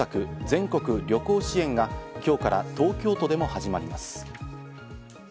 ・全国旅行支援が今日から東京都でも始まります。